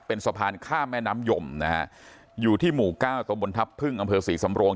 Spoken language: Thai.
เป็นสะพานข้ามแม่น้ำยมนะฮะอยู่ที่หมู่เก้าตะบนทัพพึ่งอำเภอศรีสำโรง